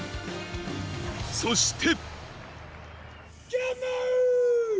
そして。